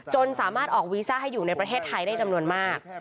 สามารถออกวีซ่าให้อยู่ในประเทศไทยได้จำนวนมาก